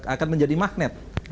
akan menjadi magnet